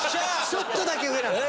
ちょっとだけ上なんだね。